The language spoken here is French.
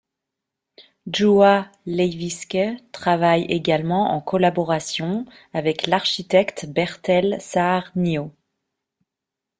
Juha Leiviskä travaille également en collaboration avec l'architecte Bertel Saarnio.